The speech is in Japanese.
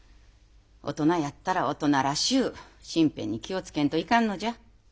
大人やったら大人らしゅう身辺に気を付けんといかんのじゃ。